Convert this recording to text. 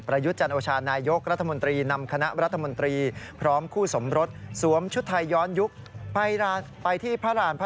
และขณะที่ดรนองก็ใส่ชุดไทย